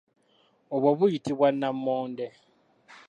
Obwo buyitibwa nammonde.